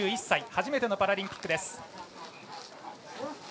２１歳初めてのパラリンピックです。